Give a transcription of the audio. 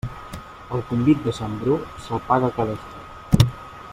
El convit de sant Bru se'l paga cadascú.